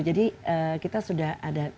jadi kita sudah ada